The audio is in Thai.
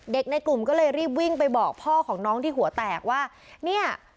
ในกลุ่มก็เลยรีบวิ่งไปบอกพ่อของน้องที่หัวแตกว่าเนี่ย